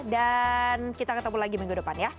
dan kita ketemu lagi minggu depan ya